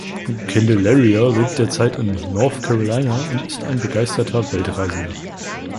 Candelaria lebt derzeit in North Carolina und ist ein begeisterter Weltreisender.